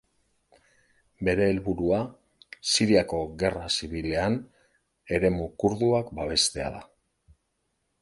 Bere helburua Siriako Gerra Zibilean eremu kurduak babestea da.